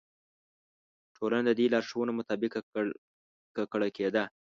ټولنه د دې لارښوونو مطابق ککړه کېده.